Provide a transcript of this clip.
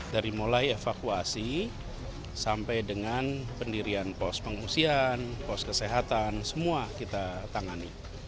dari mulai evakuasi sampai dengan pendirian pos pengungsian pos kesehatan semua kita tangani